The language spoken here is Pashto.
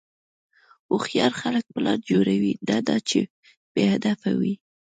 هوښیار خلک پلان جوړوي، نه دا چې بېهدفه وي.